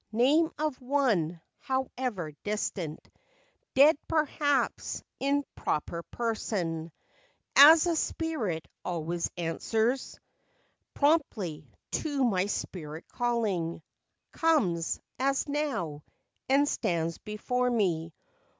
Name of one, however distant— Dead, perhaps, in proper person— As a spirit always answers Promptly, to my spirit calling— Comes, as now, and stands before me.